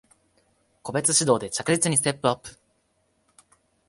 個別指導で着実にステップアップ